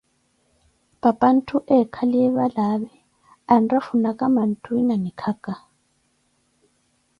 papantthu eekhaliye valaavi anrafunaka manthuwi na likhaka.